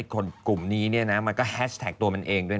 กลุ่มนี้มันก็แฮชแท็กตัวมันเอง